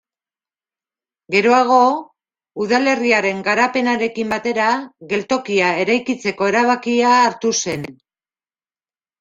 Geroago, udalerriaren garapenarekin batera geltokia eraikitzeko erabakia hartu zen.